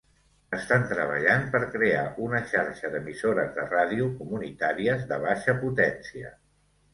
Estan treballant per crear una xarxa d'emissores de ràdio comunitàries de baixa potència.